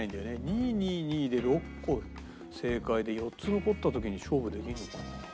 ２２２で６個正解で４つ残った時に勝負できるのかな？